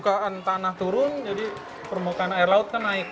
permukaan tanah turun jadi permukaan air laut kan naik